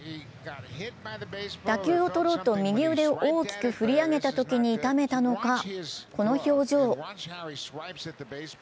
打球をとろうと右腕を大きく振り上げたときに痛めたのかこの表情。